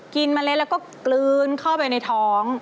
เมล็ดแล้วก็กลืนเข้าไปในท้อง